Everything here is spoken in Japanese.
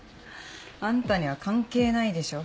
あんたには関係ないでしょ。